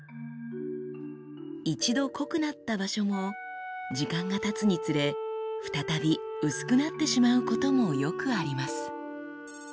一度濃くなった場所も時間がたつにつれ再び薄くなってしまうこともよくあります。